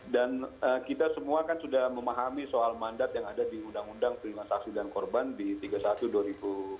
dan kita semua kan sudah memahami soal mandat yang ada di undang undang perlindungan saksi dan korban di tiga puluh satu dua ribu empat belas